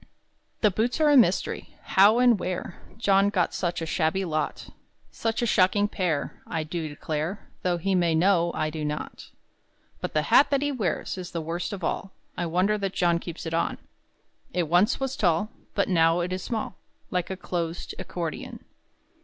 The boots are a mystery: How and where John got such a shabby lot, Such a shocking pair, I do declare Though he may know, I do not. But the hat that he wears Is the worst of all; I wonder that John keeps it on. It once was tall, But now it is small Like a closed accordeon.